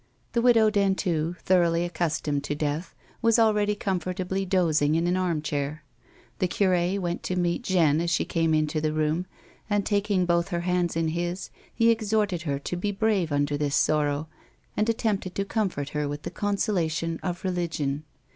The Widow Dentu, thoroughly accustomed to death, was already comfortably dozing in an armchair. The cure went to meet Jeanne as she came into the room, and taking both her hands in his, he exhorted her to be brave under this sorrow, and attempted to comfort her with the consolation of religion.